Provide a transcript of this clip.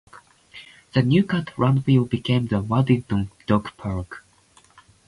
The New Cut landfill became the Worthington Dog Park.